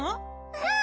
うん！